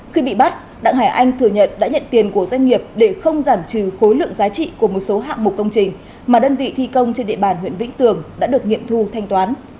khi bị bắt đặng hải anh thừa nhận đã nhận tiền của doanh nghiệp để không giảm trừ khối lượng giá trị của một số hạng mục công trình mà đơn vị thi công trên địa bàn huyện vĩnh tường đã được nghiệm thu thanh toán